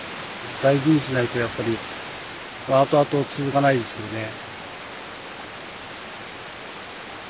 大事にしないとやっぱり後々続かないですよね。